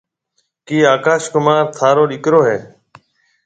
ڪِي آڪاش ڪمار ٿارو ڏيڪرو هيَ؟